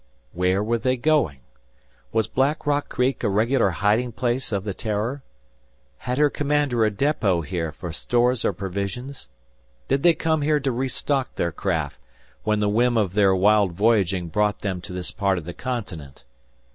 Where were they going? Was Black Rock Creek a regular hiding place of the "Terror?" Had her commander a depot here for stores or provisions? Did they come here to restock their craft, when the whim of their wild voyaging brought them to this part of the continent?